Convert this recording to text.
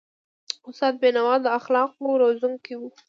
استاد بینوا د اخلاقو روزونکی و.